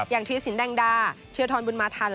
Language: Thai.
อย่างเทียดสินแดงดาเทียดทอนบุญมาทัน